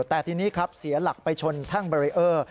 แต่ทีนี้ครับเสียหลักไปชนแท่งเบรีเออร์